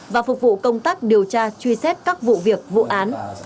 và phục vụ công tác điều tra truy xét các vụ việc vụ án